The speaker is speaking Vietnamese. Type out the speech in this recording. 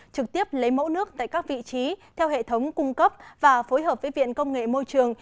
trực tiếp lấy mẫu nước tại các vị trí theo hệ thống cung cấp và phối hợp với viện công nghệ môi trường